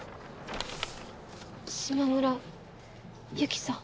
島村由希さん。